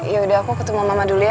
yaudah aku ketemu mama dulu ya